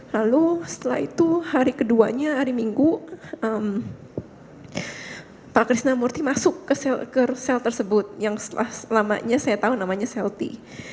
lalu setelah itu hari keduanya hari minggu pak krisna murti masuk ke sel tersebut yang selamanya saya tahu namanya selti